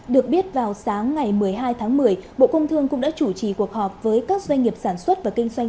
đối với cơ quan quản lý nhà nước bộ cũng sẽ đề nghị bên cạnh việc theo dõi kiểm tra giám sát hoạt động kinh doanh